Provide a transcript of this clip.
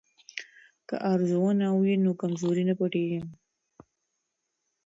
که ارزونه وي نو کمزوري نه پټیږي.